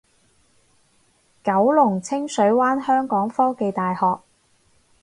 九龍清水灣香港科技大學